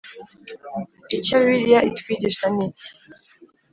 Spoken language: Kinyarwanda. Icyo Bibiliya itwigisha niki